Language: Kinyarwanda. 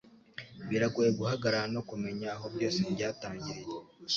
Biragoye guhagarara no kumenya aho byose byatangiriye